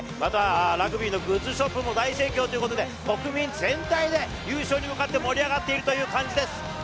ラグビーのグッズショップも大盛況ということで国民全体で優勝に向かって盛り上がっている感じです。